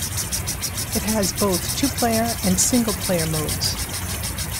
It has both two-player and single-player modes.